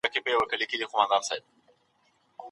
نو دا هم د جنت لاره ده.